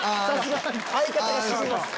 相方が死にます。